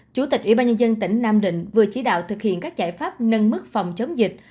chủ tịch ủy ban nhân dân tỉnh nam định vừa chỉ đạo thực hiện các giải pháp nâng mức phòng chống dịch